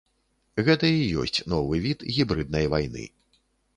Гэта і ёсць новы від гібрыднай вайны.